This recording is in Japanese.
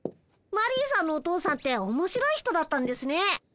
マリーさんのお父さんっておもしろい人だったんですね。